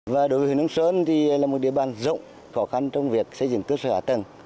và đối với huyện nông sơn thì là một địa bàn rộng khó khăn trong việc xây dựng cơ sở hạ tầng